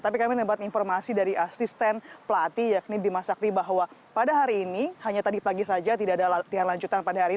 tapi kami dapat informasi dari asisten pelatih yakni bima sakti bahwa pada hari ini hanya tadi pagi saja tidak ada latihan lanjutan pada hari ini